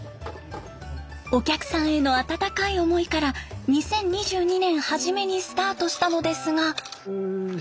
お客さんへの温かい思いから２０２２年初めにスタートしたのですが。